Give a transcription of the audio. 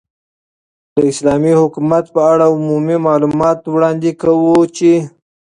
، داسلامې حكومت په اړه عمومي معلومات وړاندي كوو چې